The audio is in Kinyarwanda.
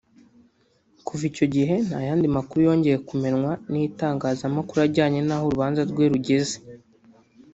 Kuva icyo gihe nta yandi makuru yongeye kumenywa n’ itangazamakuru ajyanye n’aho urubanza rwe rugeze